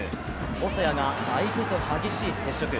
細谷が相手と激しい接触。